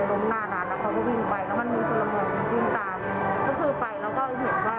แล้วเขาก็กัดเปลี่ยนไปหรือนั่งที่นี่เขาสะพายกระเป๋าสีดำฮะ